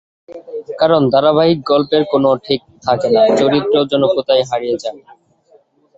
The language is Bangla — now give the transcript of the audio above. কারণ, ধারাবাহিকের গল্পের কোনো ঠিক থাকে না, চরিত্রও যেন কোথায় হারিয়ে যায়।